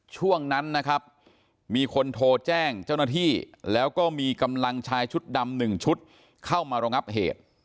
ช่วงนั้นนะครับมีคนโทรแจ้งเจ้าหน้าที่แล้วก็มีกำลังชายชุดดำ๑ชุดเข้ามาระงับเหตุ